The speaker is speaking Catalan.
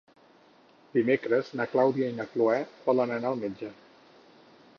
Dimecres na Clàudia i na Cloè volen anar al metge.